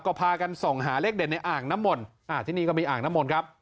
ก็พากันส่องหาเลขเด่นในอ่างน้ำมนอ่าที่นี่ก็มีอ่างน้ำมนต์ครับ